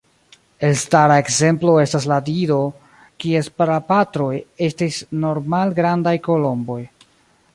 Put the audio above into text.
Elstara ekzemplo estas la dido, kies prapatroj estis normal-grandaj kolomboj.